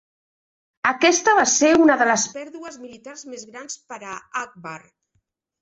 Aquesta va ser una de les pèrdues militars més grans per a Akbar.